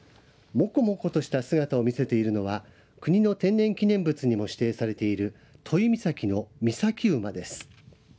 モコモコとした姿を見せているのは国の天然記念物にも指定されている都井岬の岬馬です。